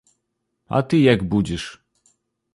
А ты як будзіш?